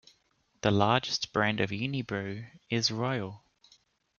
The largest brand of Unibrew is Royal.